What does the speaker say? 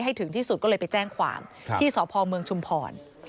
ถึงที่สุดก็เลยไปแจ้งความที่สพเมืองชุมพร